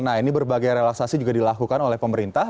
nah ini berbagai relaksasi juga dilakukan oleh pemerintah